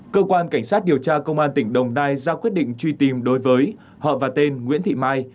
cơ quan cảnh sát điều tra công an tỉnh đồng nai ra quyết định truy tìm đối với họ và tên nguyễn thị mai